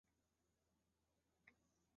眼神如此无助